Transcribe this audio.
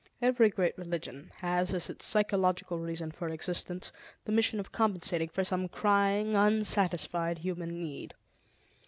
Every great religion has as its psychological reason for existence the mission of compensating for some crying, unsatisfied human need.